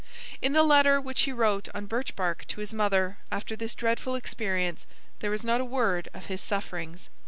In the letter which he wrote on birch bark to his mother after this dreadful experience there is not a word of his sufferings.